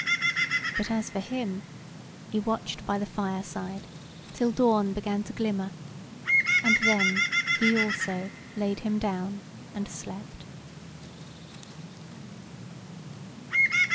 But as for him, he watched by the fire side till dawn began to glimmer, and then he also laid him down and slept.